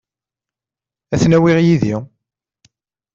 Ad ten-awiɣ yid-i.